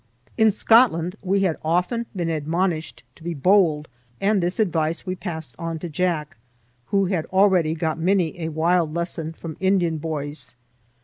In Scotland we had often been admonished to be bold, and this advice we passed on to Jack, who had already got many a wild lesson from Indian boys.